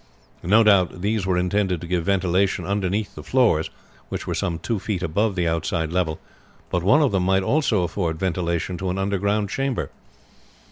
No doubt these were intended to give ventilation underneath the floors, which were some two feet above the outside level, but one of them might also afford ventilation to an underground chamber.